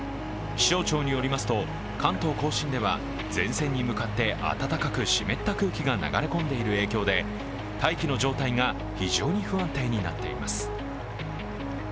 気象庁によりますと関東甲信では前線に向かって暖かく湿った空気が流れ込んでいる影響で大気の状態が非常に不安定になっています。